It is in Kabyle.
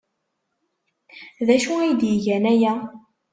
D acu ay d-igan aya?